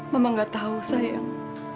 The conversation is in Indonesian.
mama gak tahu sayang